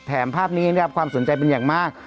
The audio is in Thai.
ภาพนี้ได้รับความสนใจเป็นอย่างมาก